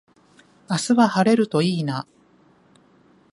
明日は晴れるといいな